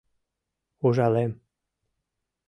— Ужалем.